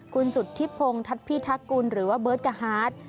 คุณสุธิพงศ์ทัศน์พิทักกุลหรือว่าเบิร์ตกะฮาร์ด